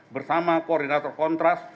bersama koordinator kontras